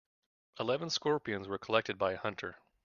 Eleven scorpions were collected by a hunter.